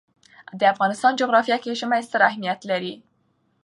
د افغانستان جغرافیه کې ژمی ستر اهمیت لري.